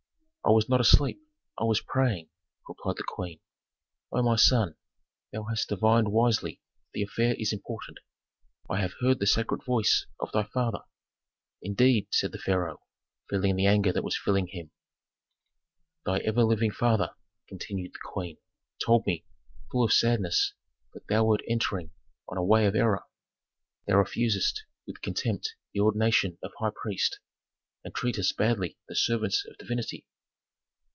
"I was not asleep I was praying," replied the queen. "O my son, thou hast divined wisely that the affair is important. I have heard the sacred voice of thy father." "Indeed!" said the pharaoh, feeling that anger was filling him. "Thy ever living father," continued the queen, "told me, full of sadness, that thou wert entering on a way of error. Thou refusest with contempt the ordination of high priest, and treatest badly the servants of divinity."